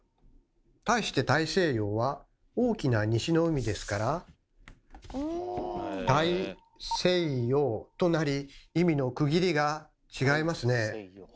対して「大西洋」は「大きな西の海」ですから「大・西洋」となり意味の区切りが違いますね。